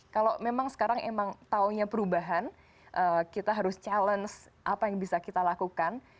kalau memang sekarang emang taunya perubahan kita harus challenge apa yang bisa kita lakukan